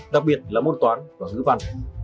đặc biệt là môn toán và ngữ văn